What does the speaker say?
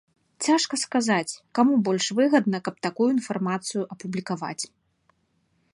Цяжка сказаць, каму больш выгадна, каб такую інфармацыю апублікаваць.